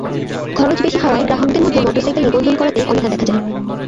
খরচ বেশি হওয়ায় গ্রাহকদের মধ্যে মোটরসাইকেলের নিবন্ধন করাতে অনীহা দেখা যায়।